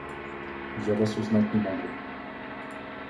Я вас узнать не могу.